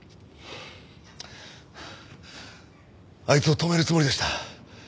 あいつを止めるつもりでした。